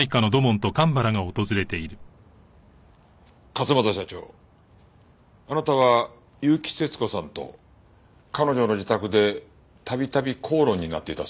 勝又社長あなたは結城節子さんと彼女の自宅で度々口論になっていたそうですね。